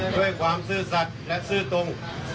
ด้วยความซื่อสัตว์และซื่อตรง